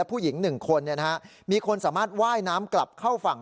ผู้หญิง๑คนมีคนสามารถว่ายน้ำกลับเข้าฝั่ง